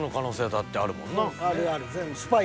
あるある。